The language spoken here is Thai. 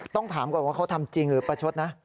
ต้องถามก่อนว่าเขาทำจริงหรือประชดนะ